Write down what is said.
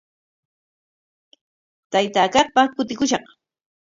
Taytaa kaqpa kutikushaq.